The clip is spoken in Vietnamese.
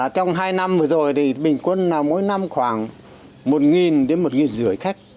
trong hai năm vừa rồi thì bình quân mỗi năm khoảng một đến một năm trăm linh khách